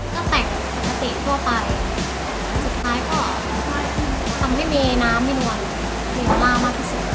ก็แต่งปกติทั่วไปสุดท้ายก็ทำให้มีน้ำมีนวลมีมากที่สุด